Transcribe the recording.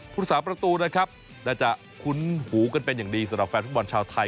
สาประตูนะครับน่าจะคุ้นหูกันเป็นอย่างดีสำหรับแฟนฟุตบอลชาวไทย